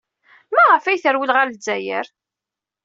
Maɣef ay terwel ɣer Lezzayer?